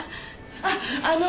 あっあの。